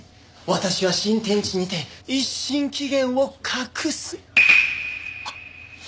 「私は新天地にて一新紀元を画す」。